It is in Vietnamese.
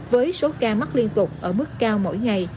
với số ca mắc liên tục ở mức cao mỗi ngày